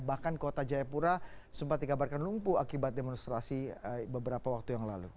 bahkan kota jayapura sempat dikabarkan lumpuh akibat demonstrasi beberapa waktu yang lalu